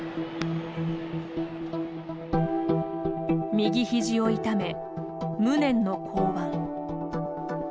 右ひじを痛め、無念の降板。